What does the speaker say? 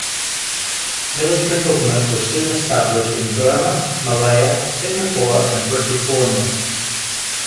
Military government was soon established in Burma, Malaya, Singapore and British Borneo.